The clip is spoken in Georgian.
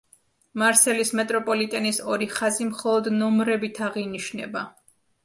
მარსელის მეტროპოლიტენის ორი ხაზი მხოლოდ ნომრებით აღინიშნება.